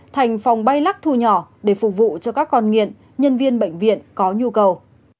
thành phòng bay lắc thu nhỏ để phục vụ cho các con nghiện nhân viên bệnh viện có nhu cầu